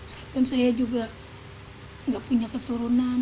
bahkan saya juga gak punya keturunan